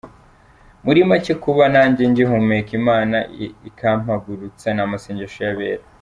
Muri macye kuba nanjye ngihumeka Imana ikampagurutsa ni amasengesho y’Abera.